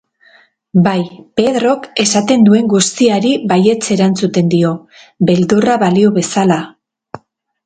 Bai, Pedrok esaten duen guztiari baietz erantzuten dio, beldurra balio bezala.